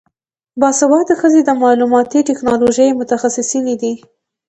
باسواده ښځې د معلوماتي ټیکنالوژۍ متخصصینې دي.